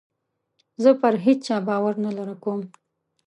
زه پر هېچا باور نه کوم.